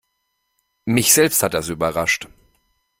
Mich selbst hat das überrascht.